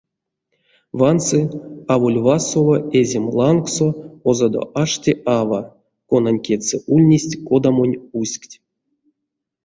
Вансы— аволь васоло эзем лангсо озадо ашти ава, конань кедьсэ ульнесть кодамонь уськть.